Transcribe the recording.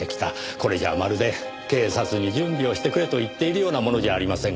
これじゃあまるで警察に準備をしてくれと言っているようなものじゃありませんか。